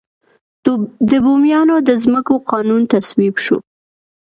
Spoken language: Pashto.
د بوميانو د ځمکو قانون تصویب شو.